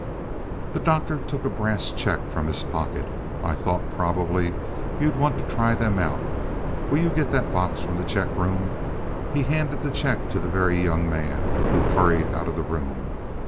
The Doctor took a brass check from his pocket. "I thought probably you'd want to try them out. Will you get that box from the check room?" He handed the check to the Very Young Man, who hurried out of the room.